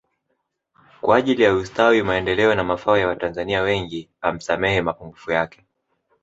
Kwa ajili ya ustawi maendeleo na mafao ya watanzania wengi amsamehe mapungufu yake